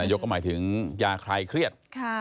ธนายก็หมายถึงยาคลายเครียด